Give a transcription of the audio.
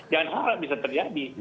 jangan harap bisa terjadi